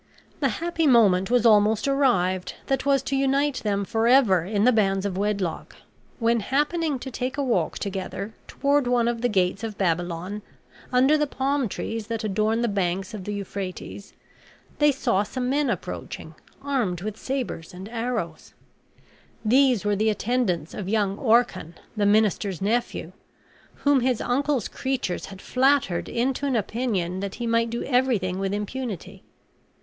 The happy moment was almost arrived that was to unite them forever in the bands of wedlock, when happening to take a walk together toward one of the gates of Babylon, under the palm trees that adorn the banks of the Euphrates, they saw some men approaching, armed with sabers and arrows. These were the attendants of young Orcan, the minister's nephew, whom his uncle's creatures had flattered into an opinion that he might do everything with impunity.